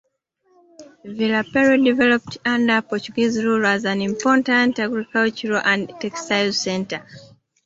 Vila Pery developed under Portuguese rule as an important agricultural and textiles centre.